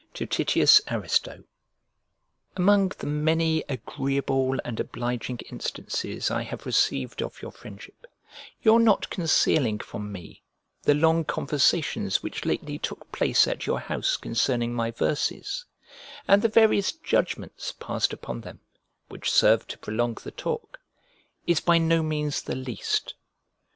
L To TITIUS ARISTO AMONG the many agreeable and obliging instances I have received of your friendship, your not concealing from me the long conversations which lately took place at your house concerning my verses, and the various judgments passed upon them (which served to prolong the talk,) is by no means the least.